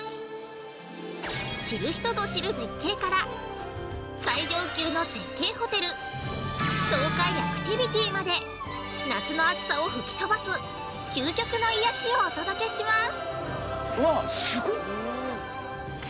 知る人ぞ知る絶景から最上級の絶景ホテル、壮快アクティビティまで夏の暑さを吹き飛ばす、究極の癒やしをお届けします。